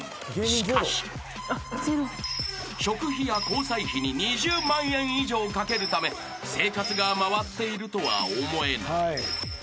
［しかし］［食費や交際費に２０万円以上かけるため生活が回っているとは思えない］